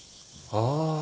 ああ。